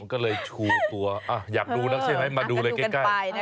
ก็เลยชูตัวอยากดูนะใช่ไหมมาดูเลยใกล้